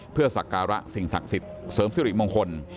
เพื่อสักการะสิ่งศักดิ์สิทธิ์เสริมสิริมงคล